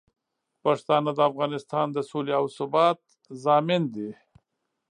پښتانه د افغانستان د سولې او ثبات ضامن دي.